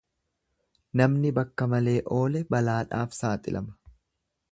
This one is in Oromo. Namni bakka malee oole balaadhaaf saaxilama.